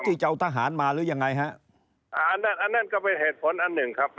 ที่จะเอาทหารมาหรือยังไงฮะอ่าอันนั้นก็เป็นเหตุผลอันหนึ่งครับ